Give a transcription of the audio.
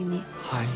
はい。